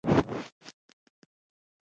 علاوالدين يو جادويي څراغ درلود.